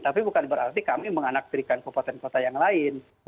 tapi bukan berarti kami menganaktifkan kompeten kota yang lain